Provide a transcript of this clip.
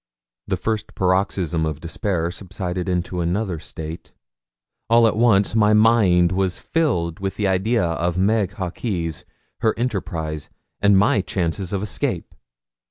The first paroxysm of despair subsided into another state. All at once my mind was filled with the idea of Meg Hawkes, her enterprise, and my chances of escape.